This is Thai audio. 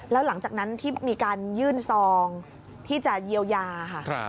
แล้วหลังจากนั้นที่มีการยื่นซองที่จะเยียวยาค่ะ